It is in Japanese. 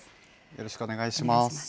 よろしくお願いします。